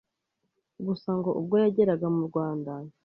gusa ngo ubwo yageraga mu Rwanda